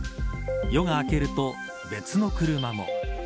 夜が明けると、別の車も。